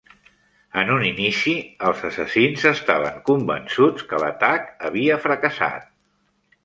En un inici, els assassins estaven convençuts que l'atac havia fracassat.